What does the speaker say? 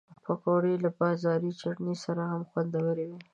پکورې له بازاري چټني سره هم خوندورې وي